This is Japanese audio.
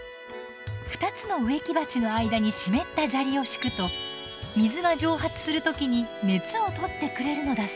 ２つの植木鉢の間に湿った砂利を敷くと水が蒸発する時に熱をとってくれるのだそう。